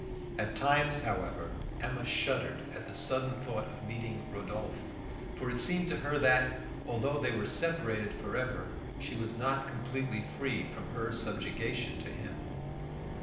At times, however, Emma shuddered at the sudden thought of meeting Rodolphe, for it seemed to her that, although they were separated forever, she was not completely free from her subjugation to him.